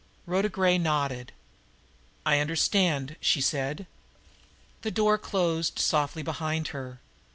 Rhoda Gray nodded. "I understand," she said. The door closed softly behind her.